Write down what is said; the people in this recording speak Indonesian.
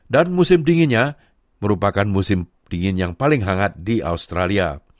dan musim dinginnya merupakan musim dingin yang paling hangat di australia